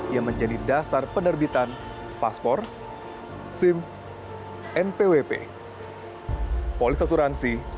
yang menjadi dasar penerbitan paspor sim npwp polis asuransi